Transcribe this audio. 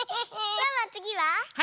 ワンワンつぎは？